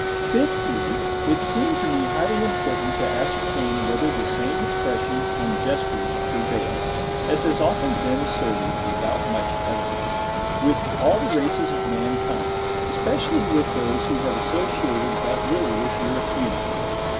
Fifthly, it seemed to me highly important to ascertain whether the same expressions and gestures prevail, as has often been asserted without much evidence, with all the races of mankind, especially with those who have associated but little with Europeans.